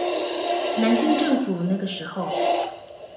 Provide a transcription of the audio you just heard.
南京政府那個時候